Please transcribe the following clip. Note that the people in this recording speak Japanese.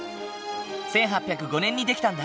１８０５年に出来たんだ。